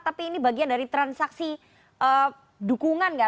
tapi ini bagian dari transaksi dukungan nggak